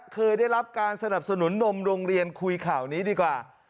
เคยได้รับการสนับสนุนนมโรงเรียนคุยข่าวนี้ดีกว่า